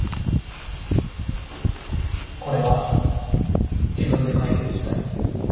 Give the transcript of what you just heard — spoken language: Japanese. これは自分で解決したい。